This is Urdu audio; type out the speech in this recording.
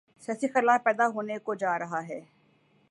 سیاسی خلا پیدا ہونے کو جارہا ہے۔